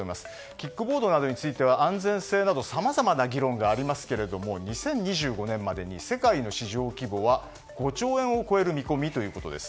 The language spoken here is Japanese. キックボードなどについては安全性など、さまざまな議論がありますけれども２０２５年までに世界の市場規模５兆円を超える見込みです。